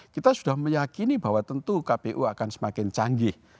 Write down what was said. kita sudah meyakini bahwa tentu kpu akan semakin canggih